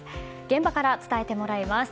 現場から伝えてもらいます。